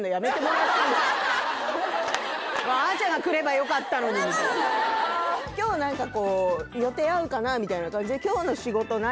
あちゃんが来ればよかったのにみたいな今日何かこう予定合うかなみたいな感じで「今日の仕事何？」